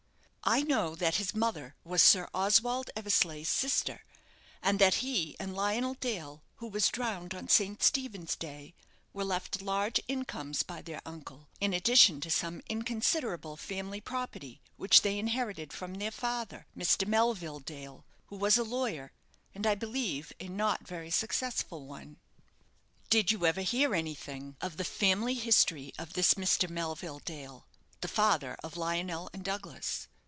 "I know that his mother was Sir Oswald Eversleigh's sister, and that he and Lionel Dale, who was drowned on St. Stephen's day, were left large incomes by their uncle, in addition to some inconsiderable family property which they inherited from their father, Mr. Melville Dale, who was a lawyer, and, I believe, a not very successful one." "Did you ever hear anything of the family history of this Mr. Melville Dale, the father of Lionel and Douglas?"